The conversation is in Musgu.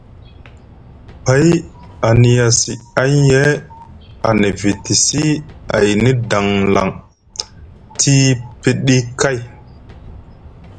Pay a niyasi anye a nivitisi ayni danlaŋ tii piɗi kay.